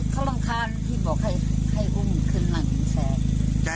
เขาหลังคาญพี่บอกให้พวกมันขึ้นหลังแชร์